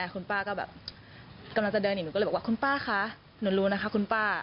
คุณป้าก็แบบกำลังจะเดินอีกหนูก็เลยบอกว่าคุณป้าคะหนูรู้นะคะคุณป้า